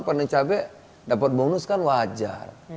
panen cabai dapat bonus kan wajar